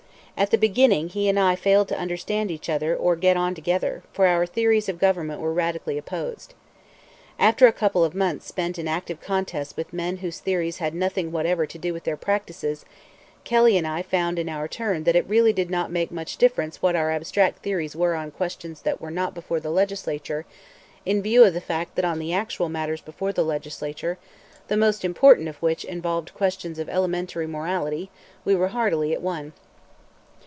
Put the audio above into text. At the beginning he and I failed to understand each other or to get on together, for our theories of government were radically opposed. After a couple of months spent in active contests with men whose theories had nothing whatever to do with their practices, Kelly and I found in our turn that it really did not make much difference what our abstract theories were on questions that were not before the Legislature, in view of the fact that on the actual matters before the Legislature, the most important of which involved questions of elementary morality, we were heartily at one.